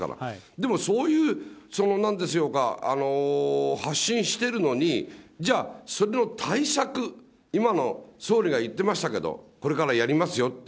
でもそういう、そのなんでしょうか、発信してるのに、じゃあ、それの対策、今も総理が言っていましたけれども、これからやりますよって。